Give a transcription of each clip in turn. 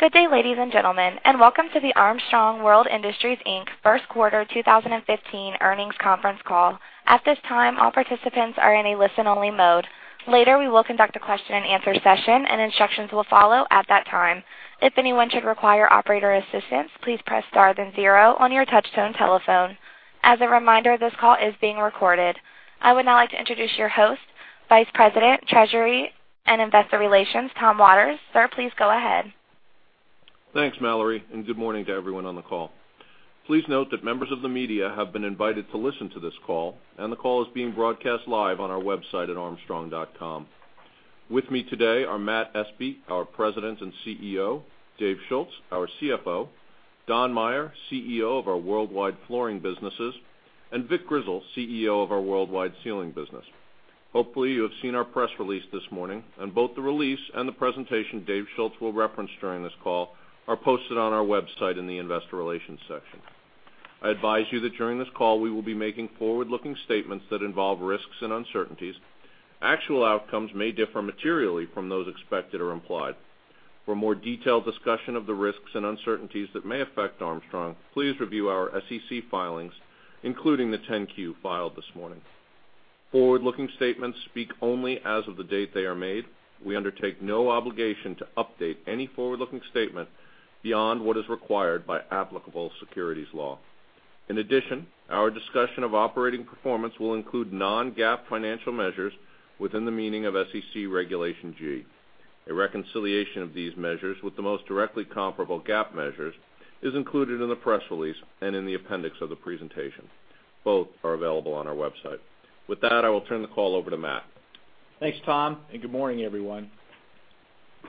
Good day, ladies and gentlemen, and welcome to the Armstrong World Industries, Inc. First Quarter 2015 Earnings Conference Call. At this time, all participants are in a listen-only mode. Later, we will conduct a question-and-answer session, and instructions will follow at that time. If anyone should require operator assistance, please press star then zero on your touchtone telephone. As a reminder, this call is being recorded. I would now like to introduce your host, Vice President, Treasury and Investor Relations, Tom Waters. Sir, please go ahead. Thanks, Mallory, and good morning to everyone on the call. Please note that members of the media have been invited to listen to this call, and the call is being broadcast live on our website at armstrong.com. With me today are Matt Espe, our President and CEO; Dave Schulz, our CFO; Don Maier, CEO of our worldwide flooring businesses; and Vic Grizzle, CEO of our worldwide ceiling business. Hopefully, you have seen our press release this morning, and both the release and the presentation Dave Schulz will reference during this call are posted on our website in the investor relations section. I advise you that during this call, we will be making forward-looking statements that involve risks and uncertainties. Actual outcomes may differ materially from those expected or implied. For a more detailed discussion of the risks and uncertainties that may affect Armstrong, please review our SEC filings, including the 10-Q filed this morning. Forward-looking statements speak only as of the date they are made. We undertake no obligation to update any forward-looking statement beyond what is required by applicable securities law. In addition, our discussion of operating performance will include non-GAAP financial measures within the meaning of SEC Regulation G. A reconciliation of these measures with the most directly comparable GAAP measures is included in the press release and in the appendix of the presentation. Both are available on our website. With that, I will turn the call over to Matt. Thanks, Tom, and good morning, everyone.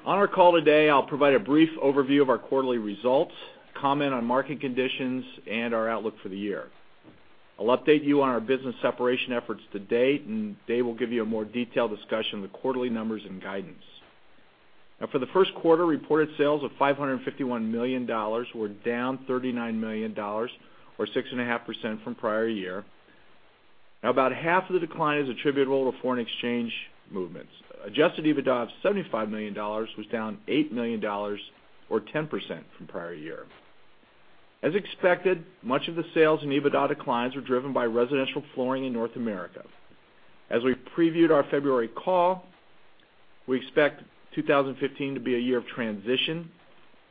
On our call today, I'll provide a brief overview of our quarterly results, comment on market conditions, and our outlook for the year. I'll update you on our business separation efforts to date, and Dave will give you a more detailed discussion of the quarterly numbers and guidance. For the first quarter, reported sales of $551 million were down $39 million, or 6.5% from prior year. About half of the decline is attributable to foreign exchange movements. Adjusted EBITDA of $75 million was down $8 million, or 10% from prior year. As expected, much of the sales and EBITDA declines were driven by residential flooring in North America. As we previewed our February call, we expect 2015 to be a year of transition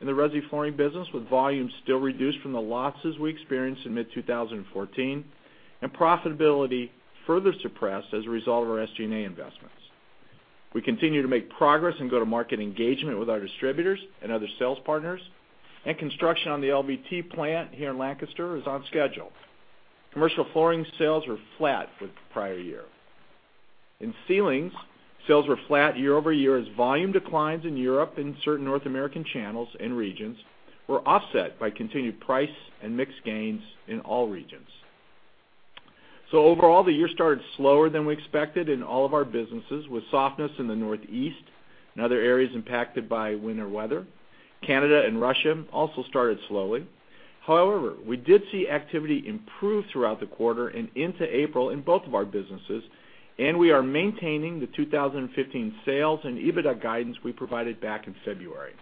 in the Resilient Flooring business, with volumes still reduced from the losses we experienced in mid-2014 and profitability further suppressed as a result of our SG&A investments. We continue to make progress in go-to-market engagement with our distributors and other sales partners, and construction on the LVT plant here in Lancaster is on schedule. Commercial flooring sales were flat with the prior year. In ceilings, sales were flat year-over-year as volume declines in Europe and certain North American channels and regions were offset by continued price and mix gains in all regions. Overall, the year started slower than we expected in all of our businesses, with softness in the Northeast and other areas impacted by winter weather. Canada and Russia also started slowly. We did see activity improve throughout the quarter and into April in both of our businesses, and we are maintaining the 2015 sales and EBITDA guidance we provided back in February.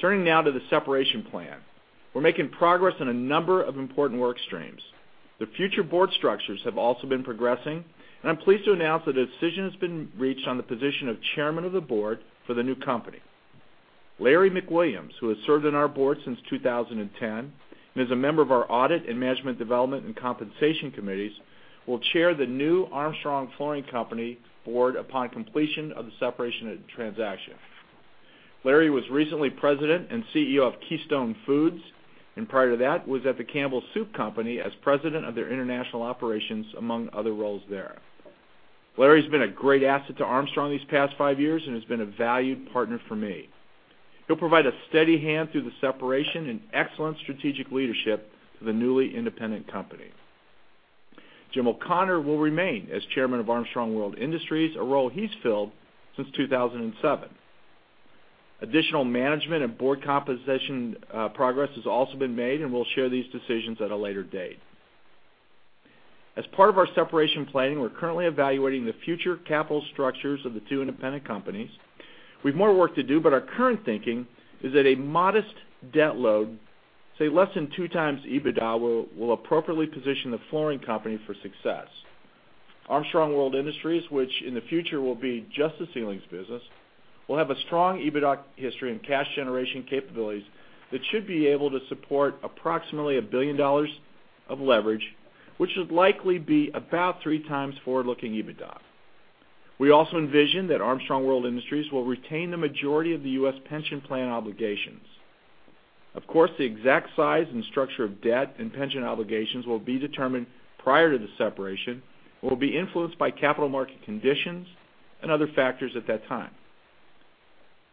Turning now to the separation plan. We're making progress on a number of important work streams. The future board structures have also been progressing, and I'm pleased to announce that a decision has been reached on the position of Chairman of the Board for the new company. Larry McWilliams, who has served on our board since 2010 and is a member of our audit and management development and compensation committees, will chair the new Armstrong Flooring company board upon completion of the separation transaction. Larry was recently President and CEO of Keystone Foods, and prior to that, was at the Campbell Soup Company as president of their international operations, among other roles there. Larry has been a great asset to Armstrong these past five years and has been a valued partner for me. He'll provide a steady hand through the separation and excellent strategic leadership to the newly independent company. Jim O'Connor will remain as Chairman of Armstrong World Industries, a role he's filled since 2007. Additional management and board composition progress has also been made, and we'll share these decisions at a later date. As part of our separation planning, we're currently evaluating the future capital structures of the two independent companies. We've more work to do, but our current thinking is that a modest debt load, say less than 2x EBITDA, will appropriately position the flooring company for success. Armstrong World Industries, which in the future will be just the Building Products business, will have a strong EBITDA history and cash generation capabilities that should be able to support approximately $1 billion of leverage, which would likely be about 3x forward-looking EBITDA. We also envision that Armstrong World Industries will retain the majority of the U.S. pension plan obligations. Of course, the exact size and structure of debt and pension obligations will be determined prior to the separation and will be influenced by capital market conditions and other factors at that time.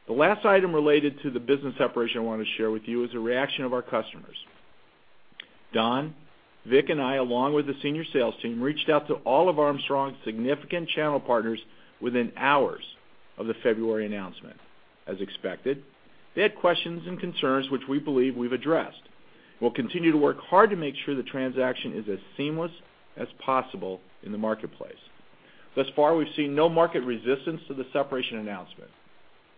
The last item related to the business separation I want to share with you is the reaction of our customers. Don, Vic, and I, along with the senior sales team, reached out to all of Armstrong's significant channel partners within hours of the February announcement. As expected, they had questions and concerns, which we believe we've addressed. We'll continue to work hard to make sure the transaction is as seamless as possible in the marketplace. Thus far, we've seen no market resistance to the separation announcement.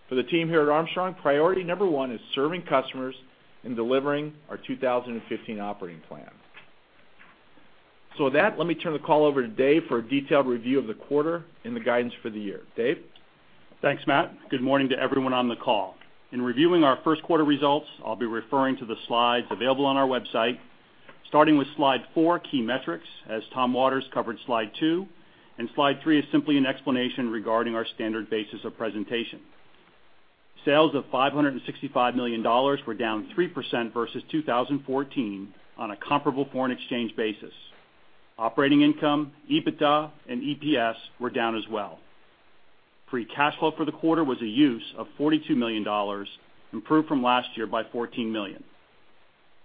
For the team here at Armstrong, priority number 1 is serving customers and delivering our 2015 operating plan. With that, let me turn the call over to Dave for a detailed review of the quarter and the guidance for the year. Dave? Thanks, Matt. Good morning to everyone on the call. In reviewing our first quarter results, I'll be referring to the slides available on our website, starting with Slide four, Key Metrics, as Tom Waters covered Slide two, and Slide three is simply an explanation regarding our standard basis of presentation. Sales of $565 million were down 3% versus 2014 on a comparable foreign exchange basis. Operating income, EBITDA, and EPS were down as well. Free cash flow for the quarter was a use of $42 million, improved from last year by $14 million.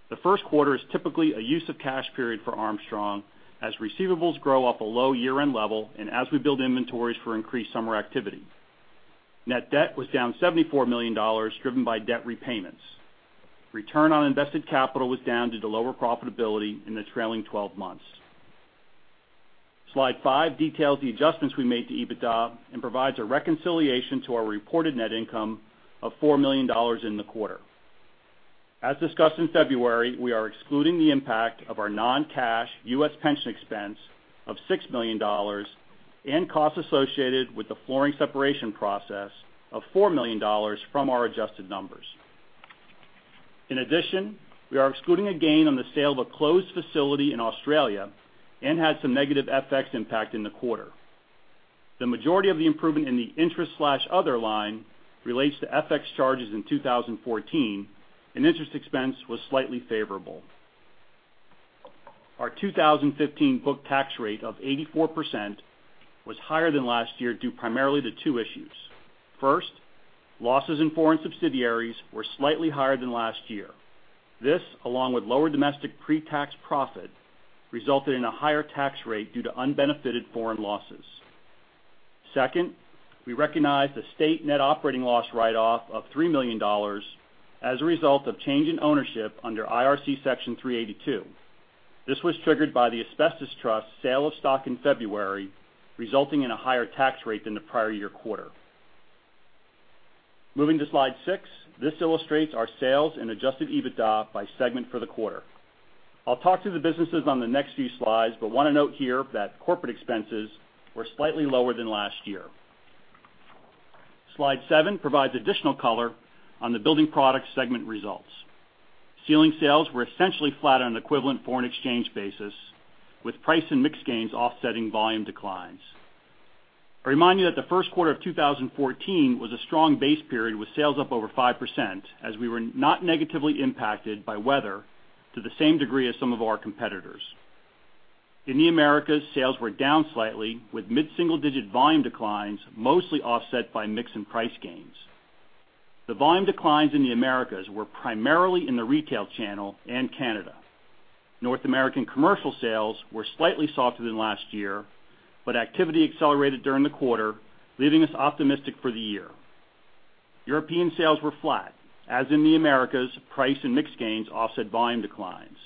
The first quarter is typically a use of cash period for Armstrong as receivables grow off a low year-end level and as we build inventories for increased summer activity. Net debt was down $74 million, driven by debt repayments. Return on invested capital was down due to lower profitability in the trailing 12 months. Slide five details the adjustments we made to EBITDA and provides a reconciliation to our reported net income of $4 million in the quarter. As discussed in February, we are excluding the impact of our non-cash U.S. pension expense of $6 million and costs associated with the flooring separation process of $4 million from our adjusted numbers. In addition, we are excluding a gain on the sale of a closed facility in Australia and had some negative FX impact in the quarter. The majority of the improvement in the interest/other line relates to FX charges in 2014, and interest expense was slightly favorable. Our 2015 book tax rate of 84% was higher than last year due primarily to two issues. First, losses in foreign subsidiaries were slightly higher than last year. This, along with lower domestic pre-tax profit, resulted in a higher tax rate due to unbenefited foreign losses. Second, we recognized a state net operating loss write-off of $3 million as a result of change in ownership under IRC Section 382. This was triggered by the asbestos trust sale of stock in February, resulting in a higher tax rate than the prior year quarter. Moving to Slide six, this illustrates our sales and adjusted EBITDA by segment for the quarter. I'll talk to the businesses on the next few slides, but want to note here that corporate expenses were slightly lower than last year. Slide seven provides additional color on the Building Products segment results. Ceiling sales were essentially flat on an equivalent foreign exchange basis, with price and mix gains offsetting volume declines. I remind you that the first quarter of 2014 was a strong base period with sales up over 5% as we were not negatively impacted by weather to the same degree as some of our competitors. In the Americas, sales were down slightly with mid-single-digit volume declines, mostly offset by mix and price gains. The volume declines in the Americas were primarily in the retail channel and Canada. North American commercial sales were slightly softer than last year, but activity accelerated during the quarter, leaving us optimistic for the year. European sales were flat. As in the Americas, price and mix gains offset volume declines.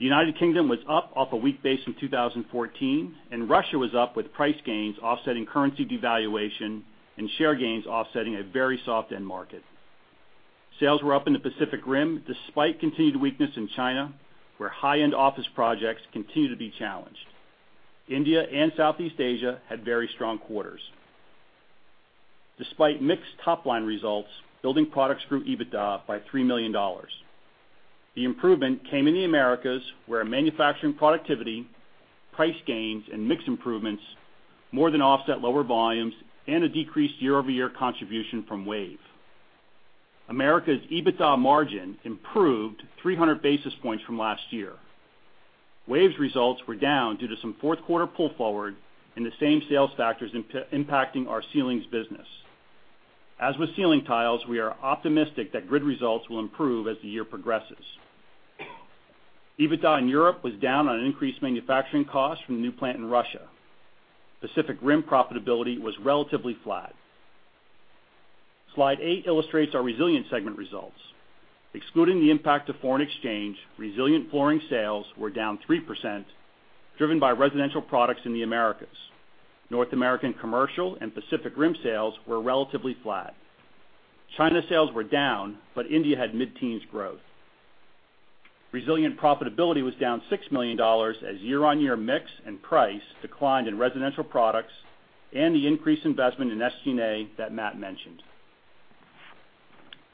The U.K. was up off a weak base in 2014, and Russia was up with price gains offsetting currency devaluation and share gains offsetting a very soft end market. Sales were up in the Pacific Rim despite continued weakness in China, where high-end office projects continue to be challenged. India and Southeast Asia had very strong quarters. Despite mixed top-line results, Building Products grew EBITDA by $3 million. The improvement came in the Americas, where manufacturing productivity, price gains, and mix improvements more than offset lower volumes and a decreased year-over-year contribution from WAVE. Americas EBITDA margin improved 300 basis points from last year. WAVE's results were down due to some fourth quarter pull forward and the same sales factors impacting our ceilings business. As with ceiling tiles, we are optimistic that grid results will improve as the year progresses. EBITDA in Europe was down on increased manufacturing costs from the new plant in Russia. Pacific Rim profitability was relatively flat. Slide 8 illustrates our Resilient segment results. Excluding the impact of foreign exchange, Resilient Flooring sales were down 3%, driven by residential products in the Americas. North American commercial and Pacific Rim sales were relatively flat. China sales were down, but India had mid-teens growth. Resilient profitability was down $6 million as year-on-year mix and price declined in residential products and the increased investment in SG&A that Matt mentioned.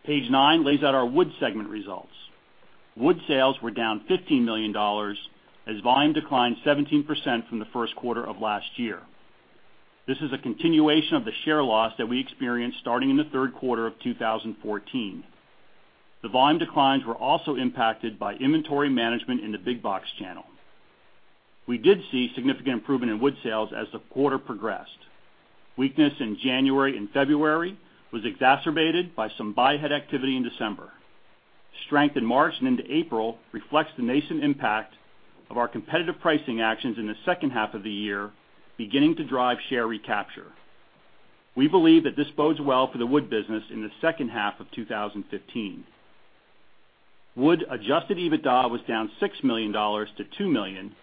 Page 9 lays out our Wood segment results. Wood sales were down $15 million as volume declined 17% from the first quarter of last year. This is a continuation of the share loss that we experienced starting in the third quarter of 2014. The volume declines were also impacted by inventory management in the big box channel. We did see significant improvement in Wood sales as the quarter progressed. Weakness in January and February was exacerbated by some buy-ahead activity in December. Strength in March and into April reflects the nascent impact of our competitive pricing actions in the second half of the year, beginning to drive share recapture. We believe that this bodes well for the Wood business in the second half of 2015. Wood adjusted EBITDA was down $6 million to $2 million,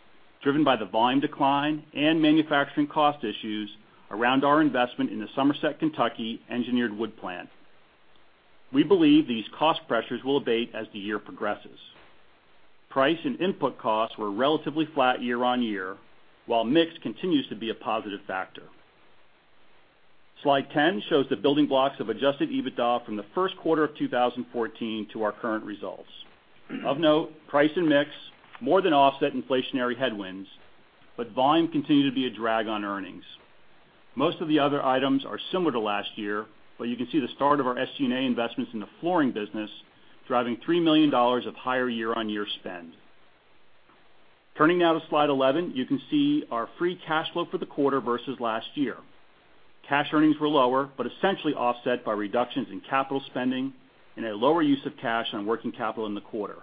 driven by the volume decline and manufacturing cost issues around our investment in the Somerset, Kentucky, engineered wood plant. We believe these cost pressures will abate as the year progresses. Price and input costs were relatively flat year-on-year, while mix continues to be a positive factor. Slide 10 shows the building blocks of adjusted EBITDA from the first quarter of 2014 to our current results. Of note, price and mix more than offset inflationary headwinds, but volume continued to be a drag on earnings. Most of the other items are similar to last year, but you can see the start of our SG&A investments in the flooring business, driving $3 million of higher year-on-year spend. Turning now to slide 11. You can see our free cash flow for the quarter versus last year. Cash earnings were lower, but essentially offset by reductions in capital spending and a lower use of cash on working capital in the quarter.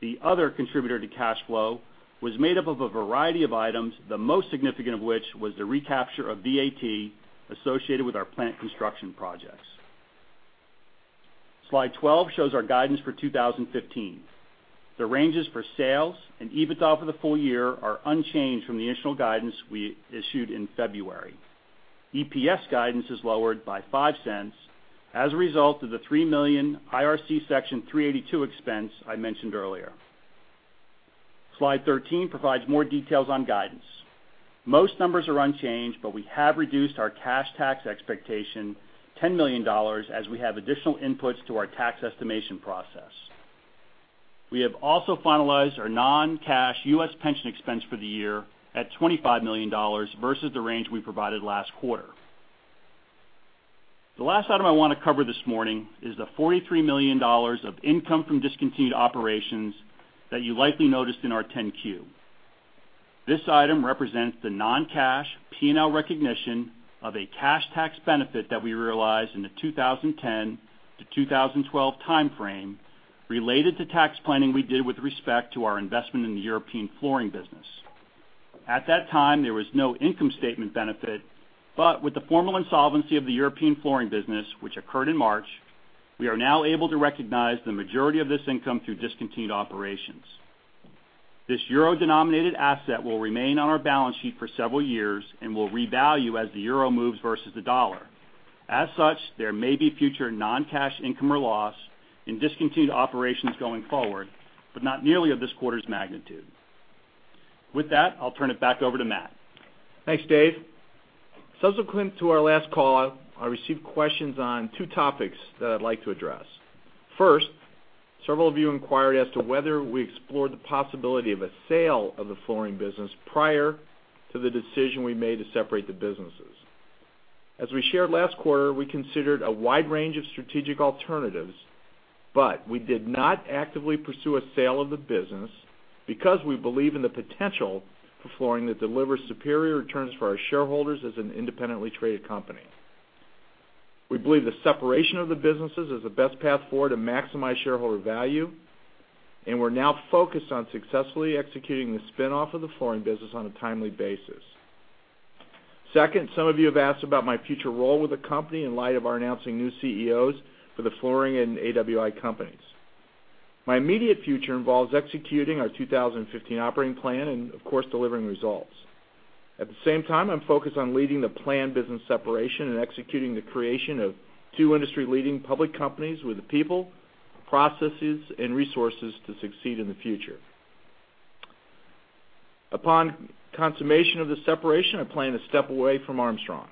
The other contributor to cash flow was made up of a variety of items, the most significant of which was the recapture of VAT associated with our plant construction projects. Slide 12 shows our guidance for 2015. The ranges for sales and EBITDA for the full year are unchanged from the initial guidance we issued in February. EPS guidance is lowered by $0.05 as a result of the $3 million IRC Section 382 expense I mentioned earlier. Slide 13 provides more details on guidance. Most numbers are unchanged, but we have reduced our cash tax expectation, $10 million, as we have additional inputs to our tax estimation process. We have also finalized our non-cash U.S. pension expense for the year at $25 million versus the range we provided last quarter. The last item I want to cover this morning is the $43 million of income from discontinued operations that you likely noticed in our 10-Q. This item represents the non-cash P&L recognition of a cash tax benefit that we realized in the 2010 to 2012 timeframe related to tax planning we did with respect to our investment in the European flooring business. At that time, there was no income statement benefit, with the formal insolvency of the European flooring business, which occurred in March, we are now able to recognize the majority of this income through discontinued operations. This euro-denominated asset will remain on our balance sheet for several years and will revalue as the euro moves versus the dollar. As such, there may be future non-cash income or loss in discontinued operations going forward, but not nearly of this quarter's magnitude. With that, I'll turn it back over to Matt. Thanks, Dave. Subsequent to our last call, I received questions on two topics that I'd like to address. First, several of you inquired as to whether we explored the possibility of a sale of the flooring business prior to the decision we made to separate the businesses. As we shared last quarter, we considered a wide range of strategic alternatives, we did not actively pursue a sale of the business because we believe in the potential for flooring to deliver superior returns for our shareholders as an independently traded company. We believe the separation of the businesses is the best path forward to maximize shareholder value, we're now focused on successfully executing the spin-off of the flooring business on a timely basis. Second, some of you have asked about my future role with the company in light of our announcing new CEOs for the flooring and AWI companies. My immediate future involves executing our 2015 operating plan and, of course, delivering results. At the same time, I'm focused on leading the planned business separation and executing the creation of two industry-leading public companies with the people, processes, and resources to succeed in the future. Upon consummation of the separation, I plan to step away from Armstrong.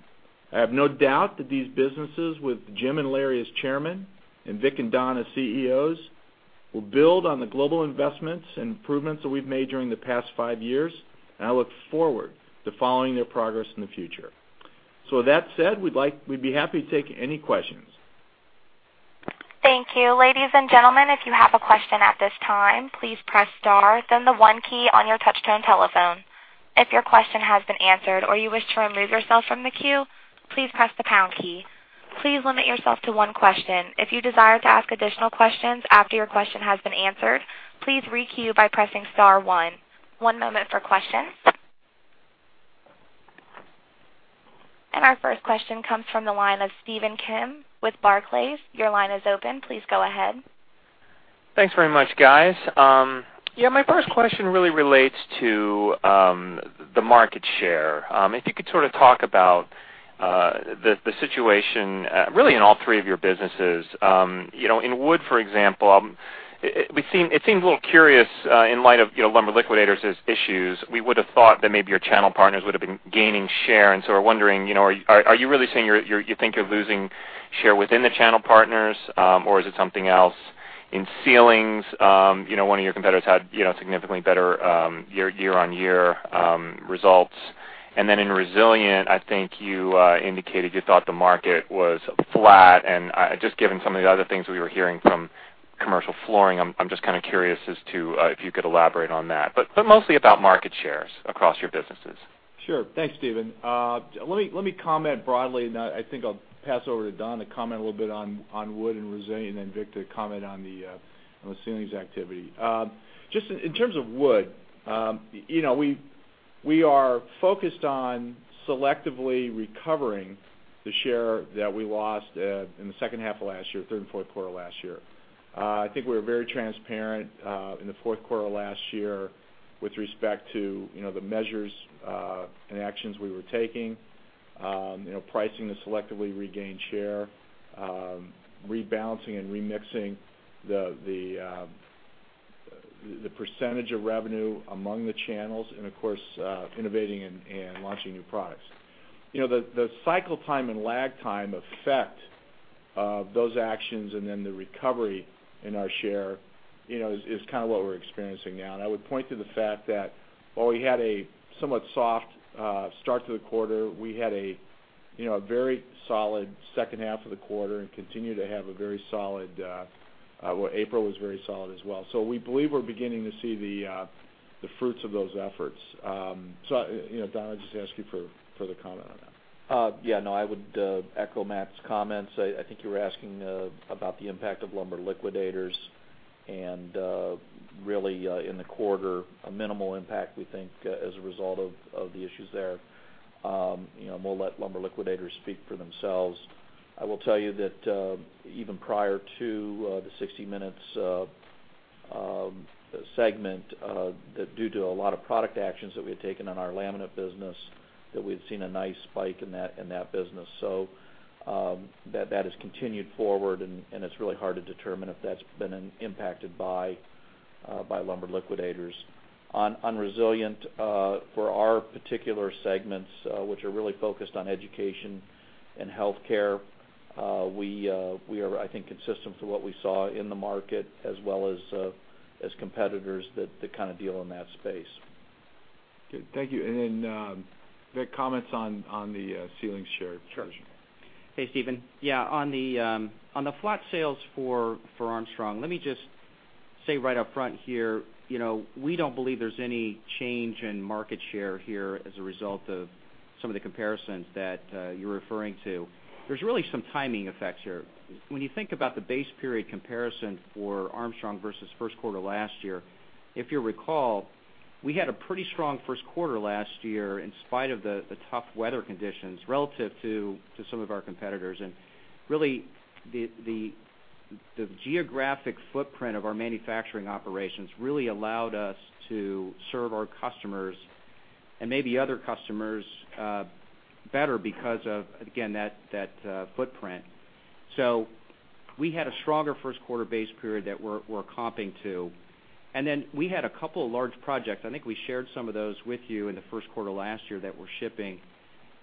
I have no doubt that these businesses, with Jim and Larry as chairman and Vic and Don as CEOs, will build on the global investments and improvements that we've made during the past five years. I look forward to following their progress in the future. With that said, we'd be happy to take any questions. Thank you. Ladies and gentlemen, if you have a question at this time, please press star then the one key on your touch-tone telephone. If your question has been answered or you wish to remove yourself from the queue, please press the pound key. Please limit yourself to one question. If you desire to ask additional questions after your question has been answered, please re-queue by pressing star one. One moment for questions. Our first question comes from the line of Steven Kim with Barclays. Your line is open. Please go ahead. Thanks very much, guys. My first question really relates to the market share. If you could sort of talk about the situation really in all three of your businesses. In wood, for example, it seems a little curious in light of Lumber Liquidators' issues. We would have thought that maybe your channel partners would have been gaining share, and so we're wondering, are you really saying you think you're losing share within the channel partners or is it something else? In ceilings, one of your competitors had significantly better year-on-year results. Then in resilient, I think you indicated you thought the market was flat, and just given some of the other things we were hearing from commercial flooring, I'm just kind of curious as to if you could elaborate on that. Mostly about market shares across your businesses. Sure. Thanks, Steven. Let me comment broadly. I think I'll pass over to Don to comment a little bit on wood and resilient, then Vic to comment on the ceilings activity. Just in terms of wood, We are focused on selectively recovering the share that we lost in the second half of last year, third and fourth quarter last year. I think we were very transparent in the fourth quarter last year with respect to the measures and actions we were taking. Pricing to selectively regain share, rebalancing and remixing the percentage of revenue among the channels, of course, innovating and launching new products. The cycle time and lag time effect of those actions then the recovery in our share is kind of what we're experiencing now. I would point to the fact that while we had a somewhat soft start to the quarter, we had a very solid second half of the quarter and continue to have a very solid. Well, April was very solid as well. We believe we're beginning to see the fruits of those efforts. Don, I'll just ask you for further comment on that. Yeah, no, I would echo Matt's comments. I think you were asking about the impact of Lumber Liquidators and really, in the quarter, a minimal impact, we think, as a result of the issues there. We'll let Lumber Liquidators speak for themselves. I will tell you that even prior to the "60 Minutes" segment, that due to a lot of product actions that we had taken on our laminate business, that we had seen a nice spike in that business. That has continued forward, and it's really hard to determine if that's been impacted by Lumber Liquidators. On Resilient, for our particular segments, which are really focused on education and healthcare, we are, I think, consistent to what we saw in the market as well as competitors that kind of deal in that space. Good. Thank you. Then, Vic, comments on the ceilings share erosion. Sure. Hey, Stephen. Yeah, on the flat sales for Armstrong, let me just say right up front here, we don't believe there's any change in market share here as a result of some of the comparisons that you're referring to. There's really some timing effects here. When you think about the base period comparison for Armstrong versus first quarter last year, if you recall, we had a pretty strong first quarter last year in spite of the tough weather conditions relative to some of our competitors. Really, the geographic footprint of our manufacturing operations really allowed us to serve our customers and maybe other customers better because of, again, that footprint. We had a stronger first-quarter base period that we're comping to. We had a couple of large projects, I think we shared some of those with you in the first quarter last year that we're shipping.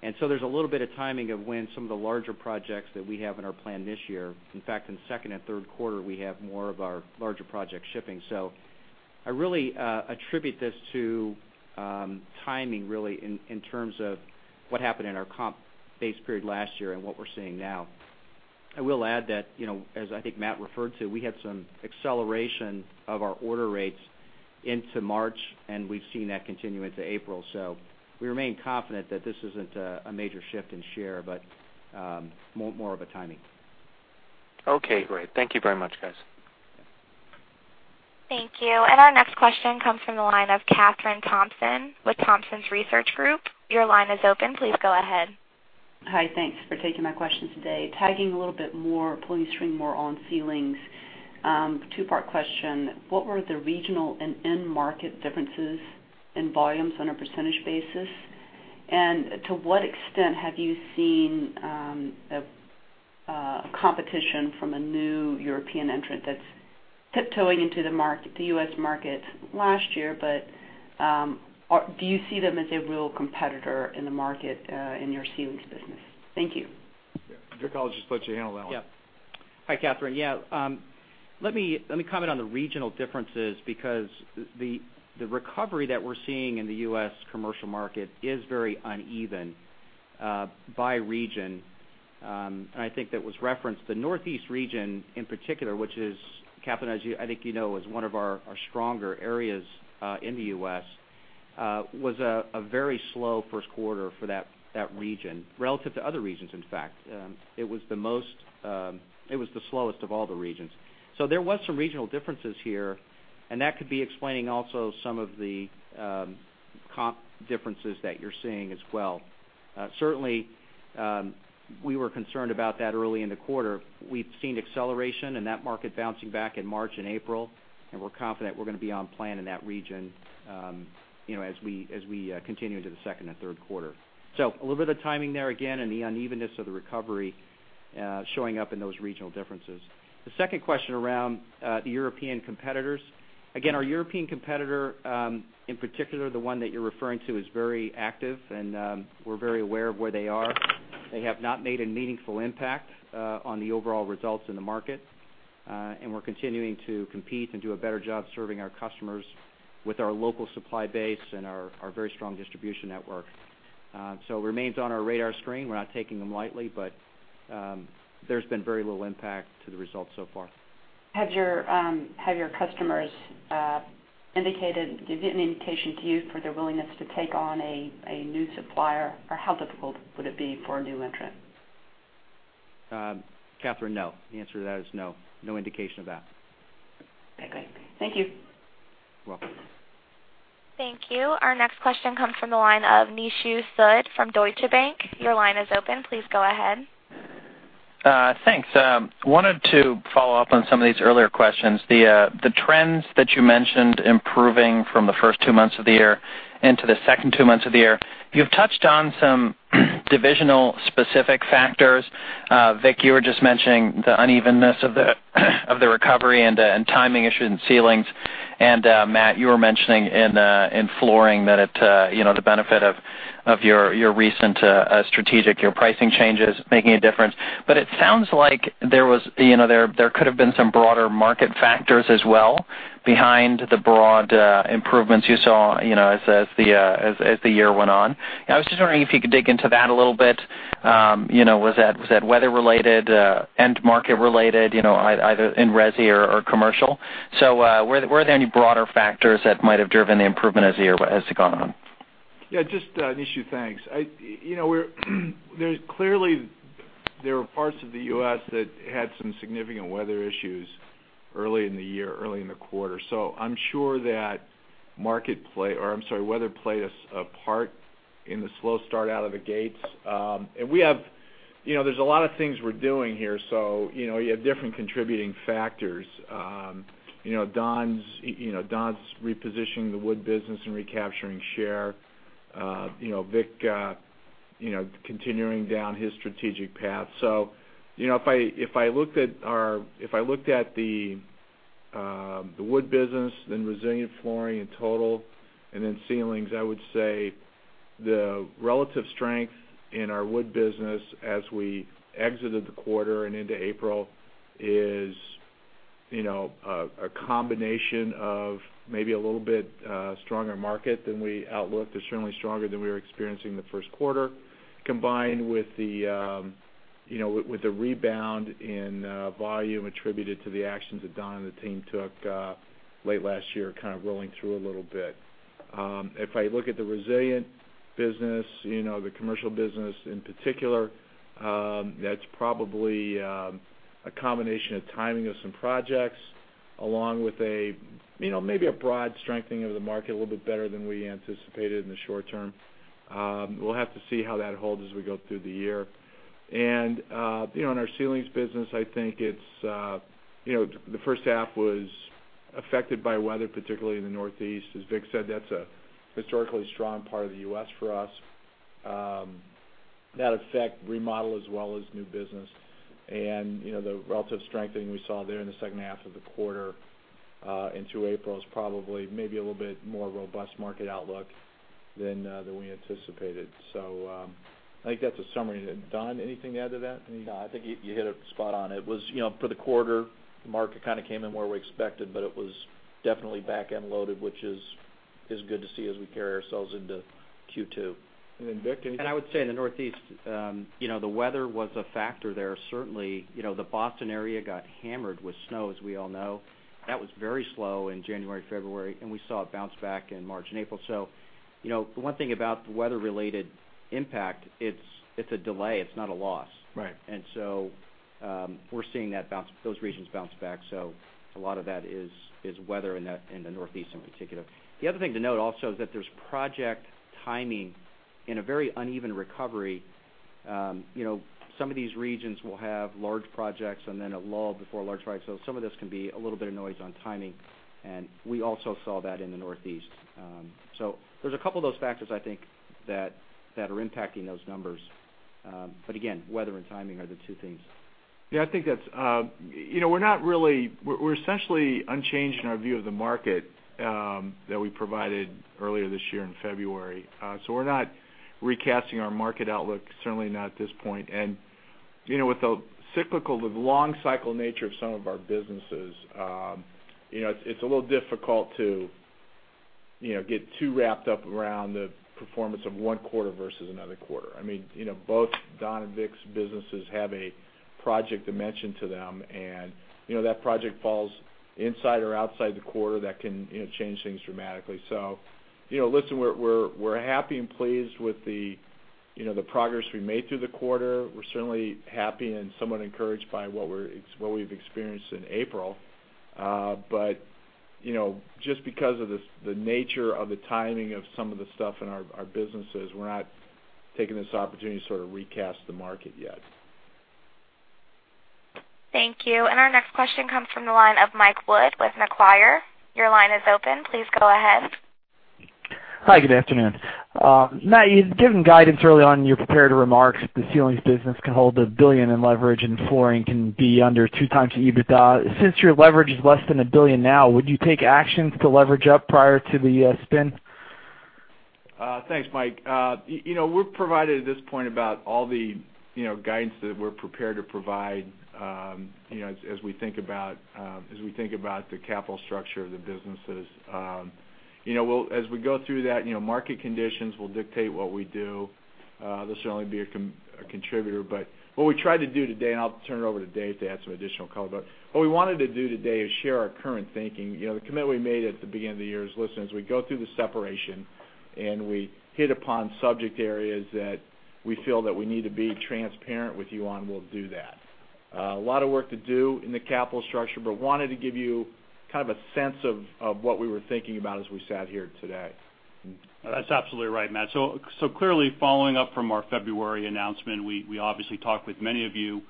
There's a little bit of timing of when some of the larger projects that we have in our plan this year. In fact, in the second and third quarter, we have more of our larger project shipping. I really attribute this to timing, really, in terms of what happened in our comp base period last year and what we're seeing now. I will add that, as I think Matt referred to, we had some acceleration of our order rates into March, and we've seen that continue into April. We remain confident that this isn't a major shift in share, but more of a timing. Okay, great. Thank you very much, guys. Thank you. Our next question comes from the line of Kathryn Thompson with Thompson Research Group. Your line is open. Please go ahead. Hi. Thanks for taking my questions today. Tagging a little bit more, pulling string more on ceilings. Two-part question. What were the regional and end market differences in volumes on a percentage basis? To what extent have you seen a competition from a new European entrant that's tiptoeing into the U.S. market last year, do you see them as a real competitor in the market in your ceilings business? Thank you. Yeah. Vic, I'll just let you handle that one. Yeah. Hi, Kathryn. Yeah. Let me comment on the regional differences because the recovery that we're seeing in the U.S. commercial market is very uneven by region. I think that was referenced. The Northeast region in particular, which is, Kathryn, as I think you know, is one of our stronger areas in the U.S., was a very slow first quarter for that region relative to other regions, in fact. It was the slowest of all the regions. There was some regional differences here, and that could be explaining also some of the comp differences that you're seeing as well. Certainly, we were concerned about that early in the quarter. We've seen acceleration in that market bouncing back in March and April, and we're confident we're going to be on plan in that region as we continue into the second and third quarter. A little bit of timing there again and the unevenness of the recovery showing up in those regional differences. The second question around the European competitors. Our European competitor, in particular, the one that you're referring to, is very active, and we're very aware of where they are. They have not made a meaningful impact on the overall results in the market. We're continuing to compete and do a better job serving our customers with our local supply base and our very strong distribution network. It remains on our radar screen. We're not taking them lightly, but there's been very little impact to the results so far. Have your customers indicated, given an indication to you for their willingness to take on a new supplier? How difficult would it be for a new entrant? Kathryn, no. The answer to that is no. No indication of that. Okay. Thank you. You're welcome. Thank you. Our next question comes from the line of Nishu Sood from Deutsche Bank. Your line is open. Please go ahead. Thanks. Wanted to follow up on some of these earlier questions. The trends that you mentioned improving from the first two months of the year into the second two months of the year. You've touched on some divisional specific factors. Vic, you were just mentioning the unevenness of the recovery and timing issue in Ceilings. Matt, you were mentioning in flooring that the benefit of your recent strategic pricing changes making a difference. It sounds like there could have been some broader market factors as well behind the broad improvements you saw as the year went on. I was just wondering if you could dig into that a little bit. Was that weather related, end market related, either in resi or commercial? Were there any broader factors that might have driven the improvement as the year has gone on? Yeah, Nishu, thanks. Clearly, there are parts of the U.S. that had some significant weather issues early in the year, early in the quarter. I'm sure that weather played a part in the slow start out of the gates. There's a lot of things we're doing here. You have different contributing factors. Don's repositioning the wood business and recapturing share. Vic continuing down his strategic path. If I looked at the wood business, Resilient Flooring in total, and Ceilings, I would say the relative strength in our wood business as we exited the quarter and into April is a combination of maybe a little bit stronger market than we outlook. They're certainly stronger than we were experiencing in the first quarter, combined with the rebound in volume attributed to the actions that Don and the team took late last year, kind of rolling through a little bit. If I look at the Resilient business, the commercial business in particular, that's probably a combination of timing of some projects, along with maybe a broad strengthening of the market, a little bit better than we anticipated in the short term. We'll have to see how that holds as we go through the year. In our Ceilings business, I think the first half was affected by weather, particularly in the Northeast. As Vic said, that's a historically strong part of the U.S. for us. That affect remodel as well as new business. The relative strengthening we saw there in the second half of the quarter into April is probably maybe a little bit more robust market outlook than we anticipated. I think that's a summary. Don, anything to add to that? No, I think you hit it spot on. For the quarter, the market kind of came in where we expected, but it was definitely back-end loaded, which is good to see as we carry ourselves into Q2. Vic, anything- I would say in the Northeast, the weather was a factor there. Certainly, the Boston area got hammered with snow, as we all know. That was very slow in January, February, and we saw it bounce back in March and April. The one thing about the weather-related impact, it's a delay, it's not a loss. Right. We're seeing those regions bounce back. A lot of that is weather in the Northeast in particular. The other thing to note also is that there's project timing in a very uneven recovery. Some of these regions will have large projects and then a lull before a large project. Some of this can be a little bit of noise on timing, and we also saw that in the Northeast. There's a couple of those factors, I think, that are impacting those numbers. Again, weather and timing are the two things. Yeah. We're essentially unchanged in our view of the market that we provided earlier this year in February. We're not recasting our market outlook, certainly not at this point. With the cyclical, the long cycle nature of some of our businesses, it's a little difficult to get too wrapped up around the performance of one quarter versus another quarter. Both Don and Vic's businesses have a project dimension to them, and that project falls inside or outside the quarter that can change things dramatically. Listen, we're happy and pleased with the progress we made through the quarter. We're certainly happy and somewhat encouraged by what we've experienced in April. Just because of the nature of the timing of some of the stuff in our businesses, we're not taking this opportunity to sort of recast the market yet. Thank you. Our next question comes from the line of Michael Wood with Macquarie. Your line is open. Please go ahead. Hi, good afternoon. Matt, you've given guidance early on in your prepared remarks. The ceilings business can hold $1 billion in leverage and flooring can be under 2 times EBITDA. Since your leverage is less than $1 billion now, would you take actions to leverage up prior to the spin? Thanks, Mike. We've provided at this point about all the guidance that we're prepared to provide as we think about the capital structure of the businesses. As we go through that, market conditions will dictate what we do. This will only be a contributor, but what we tried to do today, and I'll turn it over to Dave to add some additional color, but what we wanted to do today is share our current thinking. The commitment we made at the beginning of the year is, listen, as we go through the separation We hit upon subject areas that we feel that we need to be transparent with you on, we'll do that. A lot of work to do in the capital structure, but wanted to give you a sense of what we were thinking about as we sat here today. That's absolutely right, Matt. Clearly, following up from our February announcement, we obviously talked with many of you,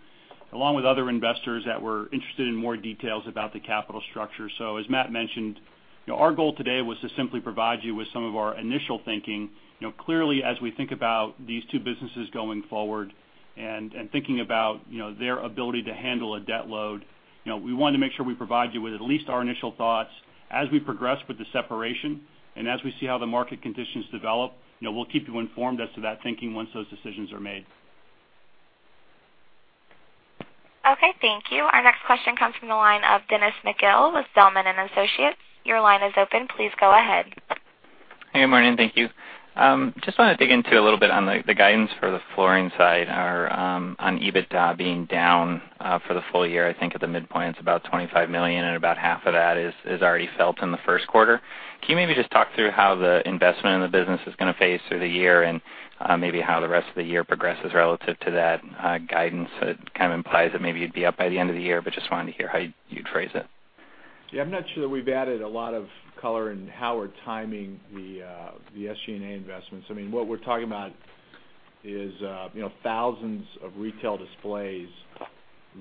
along with other investors that were interested in more details about the capital structure. As Matt mentioned, our goal today was to simply provide you with some of our initial thinking. Clearly, as we think about these two businesses going forward and thinking about their ability to handle a debt load, we wanted to make sure we provide you with at least our initial thoughts as we progress with the separation, and as we see how the market conditions develop. We'll keep you informed as to that thinking once those decisions are made. Okay, thank you. Our next question comes from the line of Dennis McGill with Zelman & Associates. Your line is open. Please go ahead. Hey, good morning. Thank you. Just want to dig into a little bit on the guidance for the flooring side or on EBITDA being down for the full year. I think at the midpoint, it's about $25 million, and about half of that is already felt in the first quarter. Can you maybe just talk through how the investment in the business is going to phase through the year and maybe how the rest of the year progresses relative to that guidance that kind of implies that maybe you'd be up by the end of the year, but just wanted to hear how you'd phrase it. Yeah, I'm not sure that we've added a lot of color in how we're timing the SG&A investments. What we're talking about is thousands of retail displays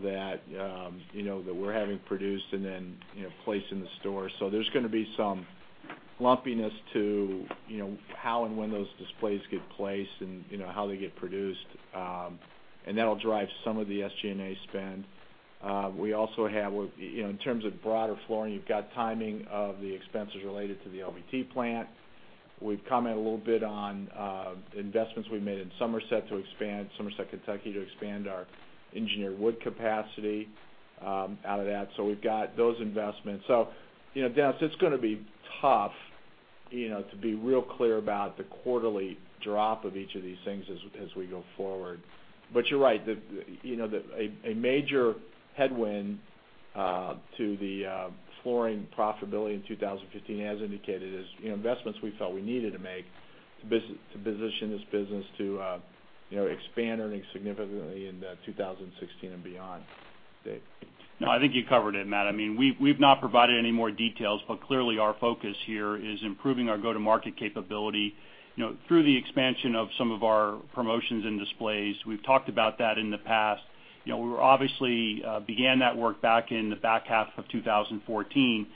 that we're having produced and then placed in the store. There's going to be some lumpiness to how and when those displays get placed and how they get produced. That'll drive some of the SG&A spend. In terms of broader flooring, you've got timing of the expenses related to the LVT plant. We've commented a little bit on investments we've made in Somerset, Kentucky, to expand our engineered wood capacity out of that. We've got those investments. Dennis, it's going to be tough to be real clear about the quarterly drop of each of these things as we go forward. You're right. A major headwind to the flooring profitability in 2015, as indicated, is investments we felt we needed to make to position this business to expand earnings significantly into 2016 and beyond. Dave. I think you covered it, Matt. We've not provided any more details, clearly our focus here is improving our go-to-market capability through the expansion of some of our promotions and displays. We've talked about that in the past. We obviously began that work back in the back half of 2014,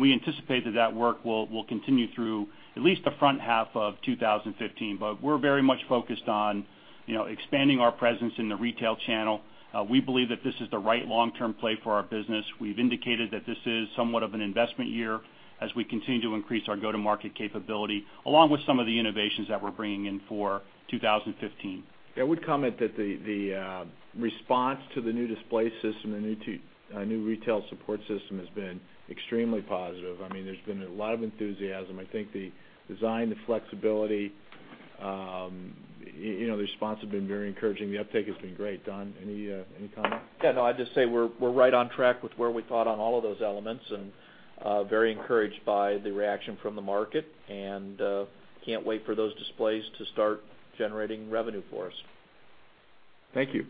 we anticipate that work will continue through at least the front half of 2015. We're very much focused on expanding our presence in the retail channel. We believe that this is the right long-term play for our business. We've indicated that this is somewhat of an investment year as we continue to increase our go-to-market capability, along with some of the innovations that we're bringing in for 2015. I would comment that the response to the new display system and new retail support system has been extremely positive. There's been a lot of enthusiasm. I think the design, the flexibility, the response has been very encouraging. The uptake has been great. Don, any comment? I'd just say we're right on track with where we thought on all of those elements very encouraged by the reaction from the market can't wait for those displays to start generating revenue for us. Thank you.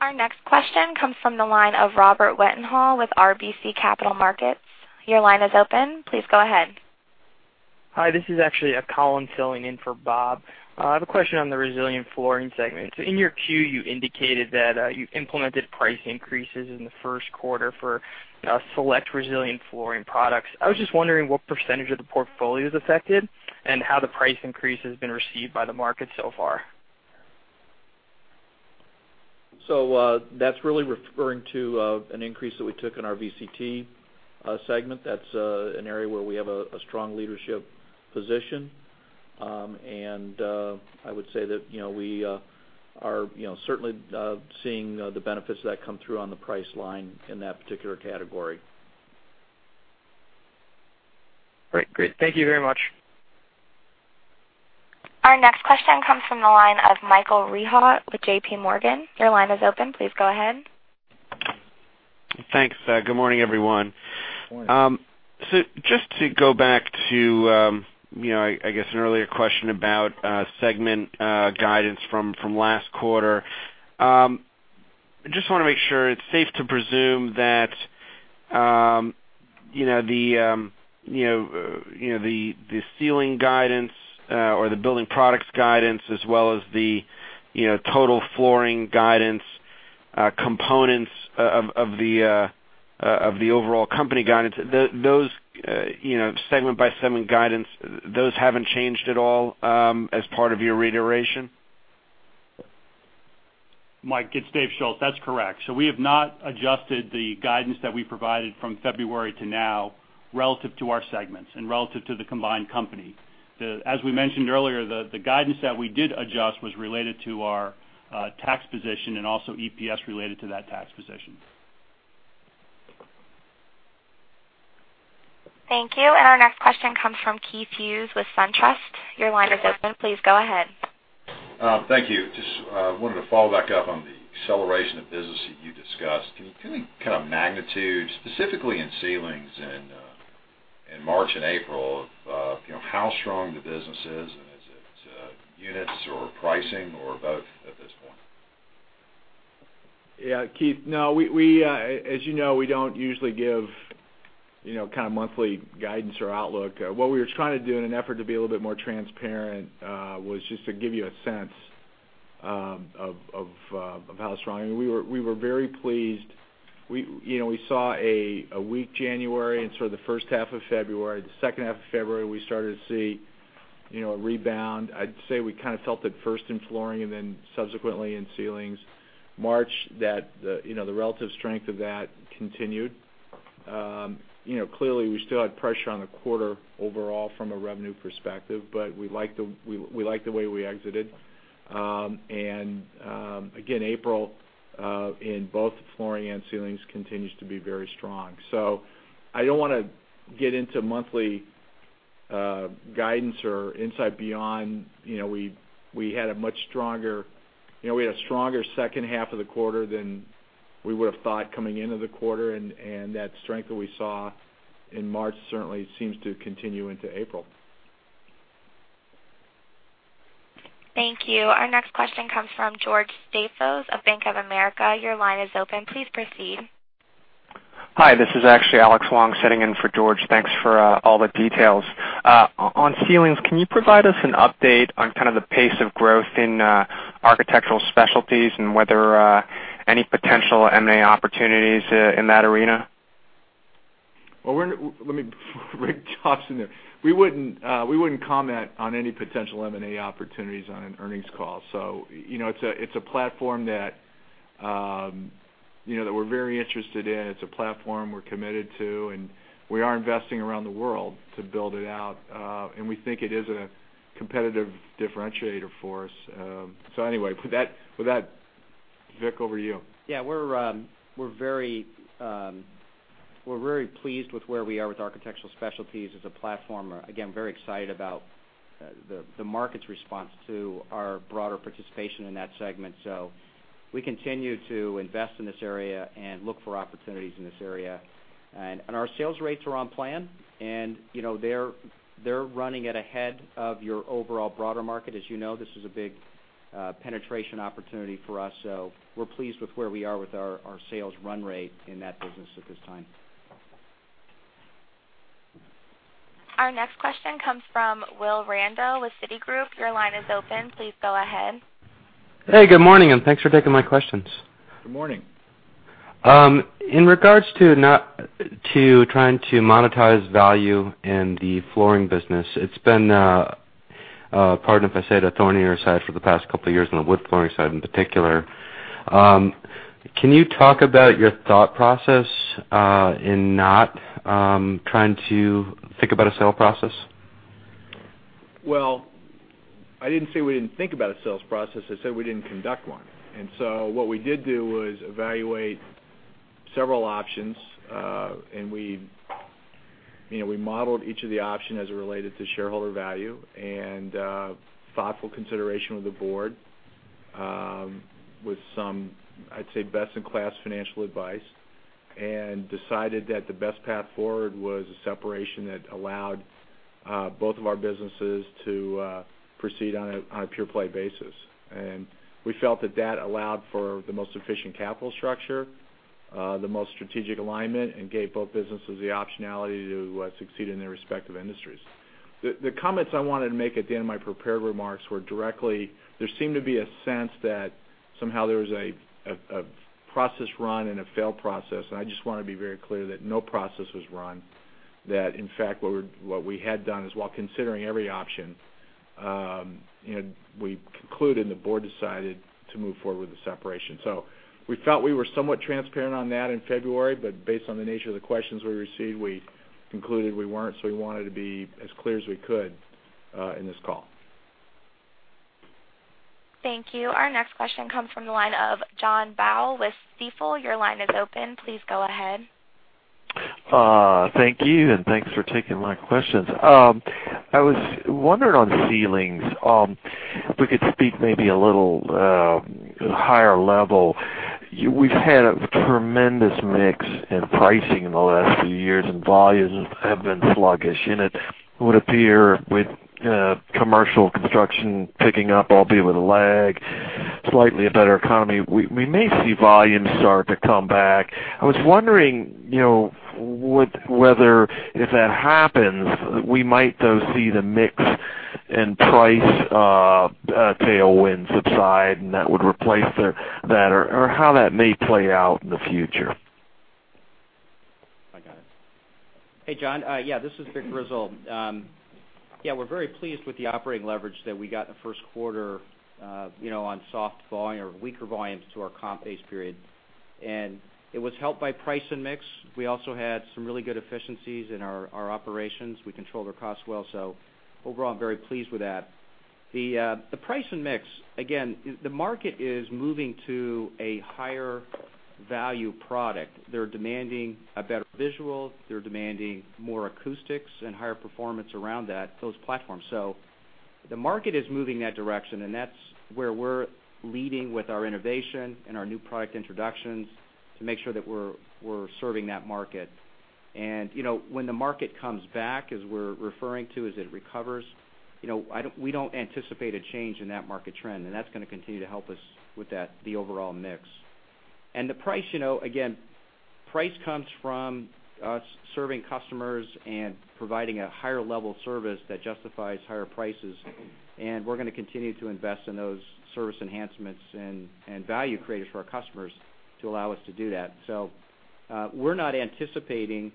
Our next question comes from the line of Robert Wetenhall with RBC Capital Markets. Your line is open. Please go ahead. Hi, this is actually Colin filling in for Bob. I have a question on the Resilient Flooring segment. In your Q, you indicated that you implemented price increases in the first quarter for select Resilient Flooring products. I was just wondering what % of the portfolio is affected and how the price increase has been received by the market so far. That's really referring to an increase that we took in our VCT segment. That's an area where we have a strong leadership position. I would say that we are certainly seeing the benefits of that come through on the price line in that particular category. Right, great. Thank you very much. Our next question comes from the line of Michael Rehaut with J.P. Morgan. Your line is open. Please go ahead. Thanks. Good morning, everyone. Good morning. Just to go back to, I guess, an earlier question about segment guidance from last quarter. I just want to make sure it's safe to presume that the ceiling guidance or the Building Products guidance as well as the total flooring guidance components of the overall company guidance, segment by segment guidance, those haven't changed at all as part of your reiteration? Mike, it's David Schulz. That's correct. We have not adjusted the guidance that we provided from February to now relative to our segments and relative to the combined company. We mentioned earlier, the guidance that we did adjust was related to our tax position and also EPS related to that tax position. Thank you. Our next question comes from Keith Hughes with SunTrust. Your line is open. Please go ahead. Thank you. Just wanted to follow back up on the acceleration of business that you discussed. Can you give me kind of magnitude, specifically in ceilings in March and April, of how strong the business is, and is it units or pricing or both at this point? Yeah, Keith, no. As you know, we don't usually give monthly guidance or outlook. What we were trying to do in an effort to be a little bit more transparent was just to give you a sense of how strong. We were very pleased. We saw a weak January and sort of the first half of February. The second half of February, we started to see a rebound. I'd say we kind of felt it first in flooring and then subsequently in ceilings. March, the relative strength of that continued. Clearly, we still had pressure on the quarter overall from a revenue perspective, but we liked the way we exited. Again, April, in both the flooring and ceilings, continues to be very strong. I don't want to get into monthly guidance or insight beyond we had a stronger second half of the quarter than we would've thought coming into the quarter. That strength that we saw in March certainly seems to continue into April. Thank you. Our next question comes from George Staphos of Bank of America. Your line is open. Please proceed. Hi, this is actually Alex Wong sitting in for George. Thanks for all the details. On ceilings, can you provide us an update on kind of the pace of growth in architectural specialties and whether any potential M&A opportunities in that arena? Well, before Vic jumps in there, we wouldn't comment on any potential M&A opportunities on an earnings call. It's a platform that we're very interested in. It's a platform we're committed to, and we are investing around the world to build it out. We think it is a competitive differentiator for us. Anyway, with that, Vic, over to you. Yeah, we're very pleased with where we are with architectural specialties as a platform. Again, very excited about the market's response to our broader participation in that segment. We continue to invest in this area and look for opportunities in this area. Our sales rates are on plan, and they're running at ahead of your overall broader market. As you know, this is a big penetration opportunity for us, so we're pleased with where we are with our sales run rate in that business at this time. Our next question comes from Will Randall with Citigroup. Your line is open. Please go ahead. Hey, good morning, and thanks for taking my questions. Good morning. In regards to trying to monetize value in the flooring business, it's been, pardon if I say, the thorn in your side for the past couple of years on the wood flooring side in particular. Can you talk about your thought process in not trying to think about a sale process? Well, I didn't say we didn't think about a sales process. I said we didn't conduct one. What we did do was evaluate several options, and we modeled each of the option as it related to shareholder value and thoughtful consideration with the Board with some, I'd say, best-in-class financial advice, and decided that the best path forward was a separation that allowed both of our businesses to proceed on a pure play basis. We felt that that allowed for the most efficient capital structure, the most strategic alignment, and gave both businesses the optionality to succeed in their respective industries. The comments I wanted to make at the end of my prepared remarks were directly, there seemed to be a sense that somehow there was a process run and a failed process, and I just want to be very clear that no process was run. That in fact, what we had done is while considering every option, we concluded and the Board decided to move forward with the separation. We felt we were somewhat transparent on that in February, but based on the nature of the questions we received, we concluded we weren't, we wanted to be as clear as we could in this call. Thank you. Our next question comes from the line of John Baugh with Stifel. Your line is open. Please go ahead. Thank you. Thanks for taking my questions. I was wondering on ceilings, if we could speak maybe a little higher level. We've had a tremendous mix in pricing in the last few years. Volumes have been sluggish. It would appear with commercial construction picking up, albeit with a lag, slightly a better economy, we may see volumes start to come back. I was wondering whether if that happens, we might, though, see the mix and price tailwinds subside and that would replace that, or how that may play out in the future. I got it. Hey, John. Yeah, this is Vic Grizzle. Yeah, we're very pleased with the operating leverage that we got in the first quarter on soft volume or weaker volumes to our comp base period. It was helped by price and mix. We also had some really good efficiencies in our operations. We controlled our costs well. Overall, I'm very pleased with that. The price and mix, again, the market is moving to a higher value product. They're demanding a better visual. They're demanding more acoustics and higher performance around those platforms. The market is moving in that direction, and that's where we're leading with our innovation and our new product introductions to make sure that we're serving that market. When the market comes back, as we're referring to, as it recovers, we don't anticipate a change in that market trend, and that's going to continue to help us with that, the overall mix. The price, again, price comes from us serving customers and providing a higher level of service that justifies higher prices. We're going to continue to invest in those service enhancements and value creation for our customers to allow us to do that. We're not anticipating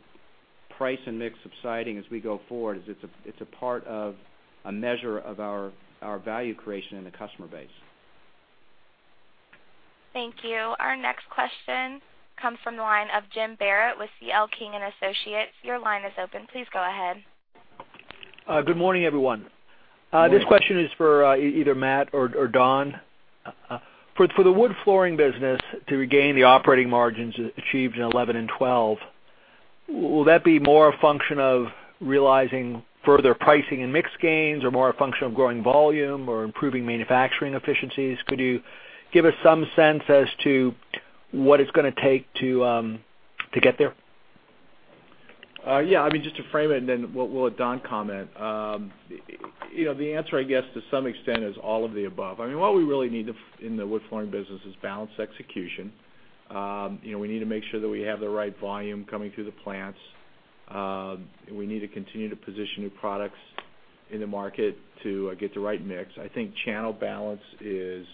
price and mix subsiding as we go forward, as it's a part of a measure of our value creation in the customer base. Thank you. Our next question comes from the line of Jim Barrett with C.L. King & Associates. Your line is open. Please go ahead. Good morning, everyone. Good morning. This question is for either Matt or Don. For the wood flooring business to regain the operating margins achieved in 2011 and 2012, will that be more a function of realizing further pricing and mix gains, or more a function of growing volume or improving manufacturing efficiencies? Could you give us some sense as to what it's going to take to get there? Just to frame it, then we'll let Don comment. The answer, I guess, to some extent, is all of the above. What we really need in the wood flooring business is balanced execution. We need to make sure that we have the right volume coming through the plants. We need to continue to position new products in the market to get the right mix. I think channel balance is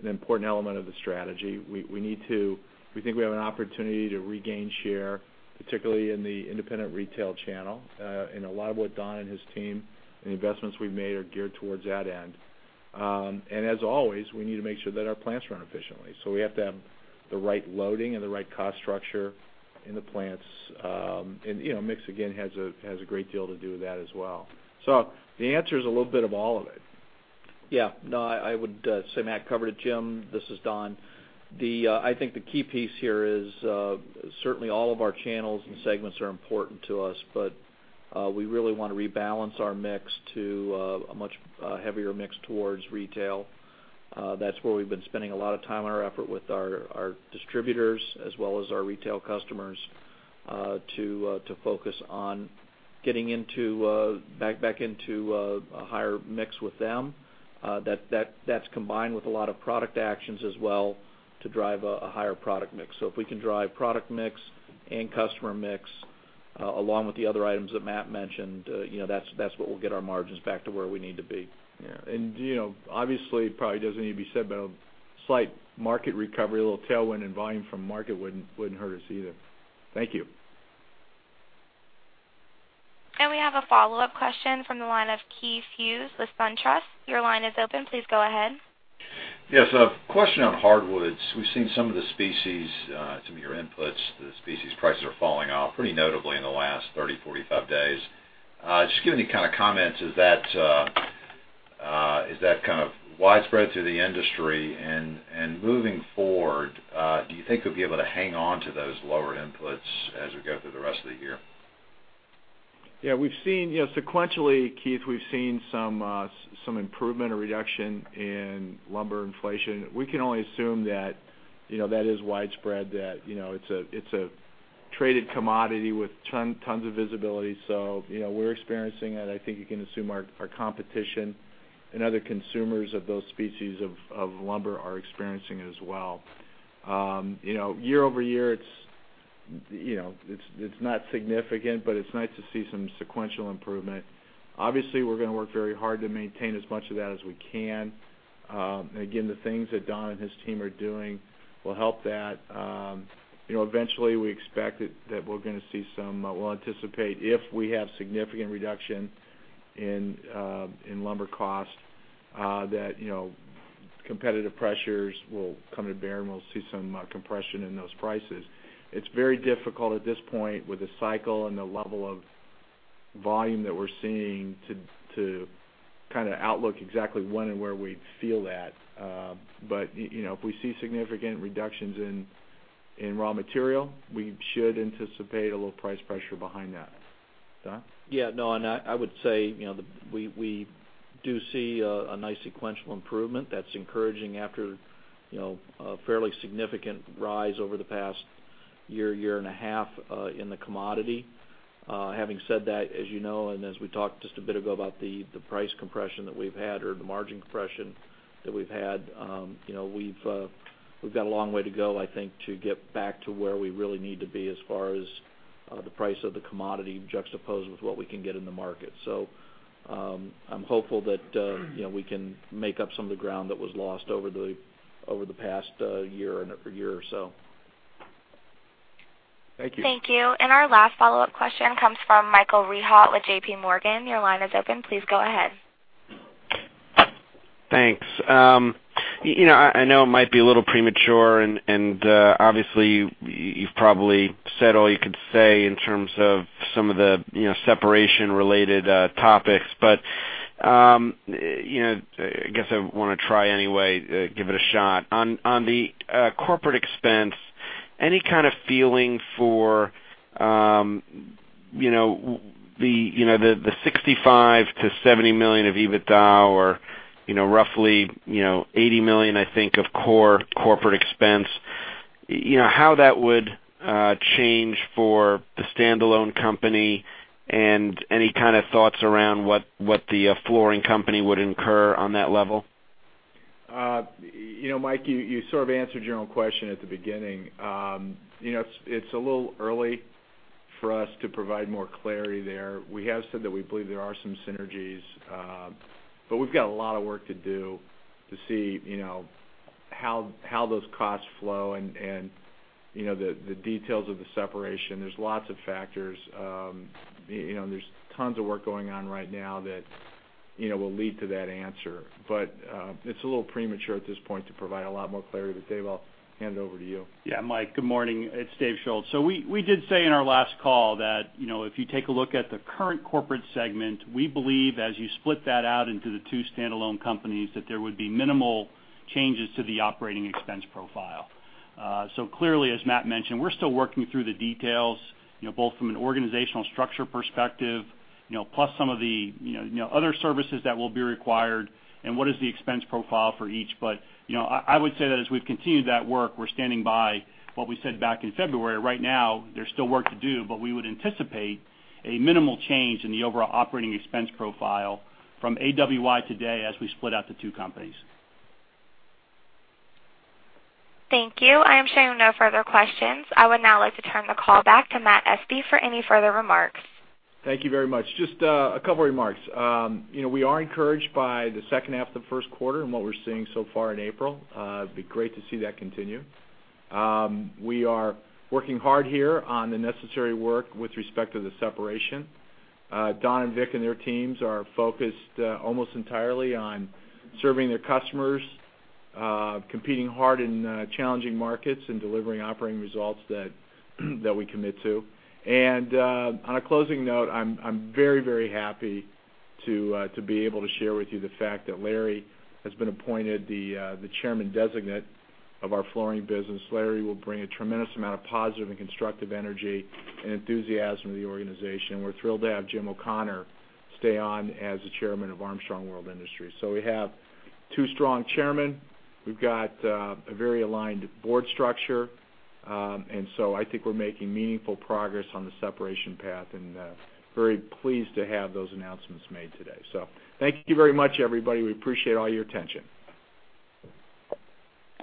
an important element of the strategy. We think we have an opportunity to regain share, particularly in the independent retail channel. A lot of what Don and his team and the investments we've made are geared towards that end. As always, we need to make sure that our plants run efficiently. We have to have the right loading and the right cost structure in the plants. Mix, again, has a great deal to do with that as well. The answer is a little bit of all of it. I would say Matt covered it, Jim. This is Don. I think the key piece here is certainly all of our channels and segments are important to us, we really want to rebalance our mix to a much heavier mix towards retail. That's where we've been spending a lot of time on our effort with our distributors as well as our retail customers, to focus on getting back into a higher mix with them. That's combined with a lot of product actions as well to drive a higher product mix. If we can drive product mix and customer mix along with the other items that Matt mentioned, that's what will get our margins back to where we need to be. Yeah. Obviously, it probably doesn't need to be said, but a slight market recovery, a little tailwind, and volume from market wouldn't hurt us either. Thank you. We have a follow-up question from the line of Keith Hughes with SunTrust. Your line is open. Please go ahead. Yes. A question on hardwoods. We've seen some of the species, some of your inputs to the species prices are falling off pretty notably in the last 30, 45 days. Just give any kind of comments. Is that kind of widespread through the industry? Moving forward, do you think you'll be able to hang on to those lower inputs as we go through the rest of the year? Yeah. Sequentially, Keith, we've seen some improvement or reduction in lumber inflation. We can only assume that is widespread, that it's a traded commodity with tons of visibility. We're experiencing it. I think you can assume our competition and other consumers of those species of lumber are experiencing it as well. Year-over-year, it's not significant, but it's nice to see some sequential improvement. Obviously, we're going to work very hard to maintain as much of that as we can. Again, the things that Don and his team are doing will help that. Eventually, we expect that we'll anticipate if we have significant reduction in lumber cost, that competitive pressures will come to bear, and we'll see some compression in those prices. It's very difficult at this point with the cycle and the level of volume that we're seeing to kind of outlook exactly when and where we'd feel that. If we see significant reductions in raw material, we should anticipate a little price pressure behind that. Don? Yeah. No, I would say, we do see a nice sequential improvement that's encouraging after a fairly significant rise over the past year and a half, in the commodity. Having said that, as you know, and as we talked just a bit ago about the price compression that we've had or the margin compression that we've had, we've got a long way to go, I think, to get back to where we really need to be as far as the price of the commodity juxtaposed with what we can get in the market. I'm hopeful that we can make up some of the ground that was lost over the past year or so. Thank you. Thank you. Our last follow-up question comes from Michael Rehaut with J.P. Morgan. Your line is open. Please go ahead. Thanks. I know it might be a little premature, and obviously, you've probably said all you could say in terms of some of the separation-related topics. I guess I want to try anyway, give it a shot. On the corporate expense Any kind of feeling for the $65 million-$70 million of EBITDA or roughly $80 million, I think, of core corporate expense, how that would change for the standalone company and any kind of thoughts around what the flooring company would incur on that level? Mike, you sort of answered your own question at the beginning. It's a little early for us to provide more clarity there. We have said that we believe there are some synergies, but we've got a lot of work to do to see how those costs flow and the details of the separation. There's lots of factors. There's tons of work going on right now that will lead to that answer. It's a little premature at this point to provide a lot more clarity. Dave, I'll hand it over to you. Mike, good morning. It's Dave Schulz. We did say in our last call that if you take a look at the current corporate segment, we believe as you split that out into the two standalone companies, that there would be minimal changes to the operating expense profile. Clearly, as Matt mentioned, we're still working through the details, both from an organizational structure perspective, plus some of the other services that will be required and what is the expense profile for each. I would say that as we've continued that work, we're standing by what we said back in February. Right now, there's still work to do, but we would anticipate a minimal change in the overall operating expense profile from AWI today as we split out the two companies. Thank you. I am showing no further questions. I would now like to turn the call back to Matt Espe for any further remarks. Thank you very much. Just a couple remarks. We are encouraged by the second half of the first quarter and what we're seeing so far in April. It'd be great to see that continue. We are working hard here on the necessary work with respect to the separation. Don and Vic and their teams are focused almost entirely on serving their customers, competing hard in challenging markets, and delivering operating results that we commit to. On a closing note, I'm very happy to be able to share with you the fact that Larry has been appointed the Chairman Designate of our flooring business. Larry will bring a tremendous amount of positive and constructive energy and enthusiasm to the organization. We're thrilled to have Jim O'Connor stay on as the Chairman of Armstrong World Industries. We have two strong chairmen. We've got a very aligned board structure. I think we're making meaningful progress on the separation path, and very pleased to have those announcements made today. Thank you very much, everybody. We appreciate all your attention.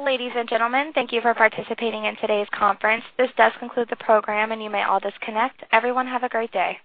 Ladies and gentlemen, thank you for participating in today's conference. This does conclude the program, and you may all disconnect. Everyone, have a great day.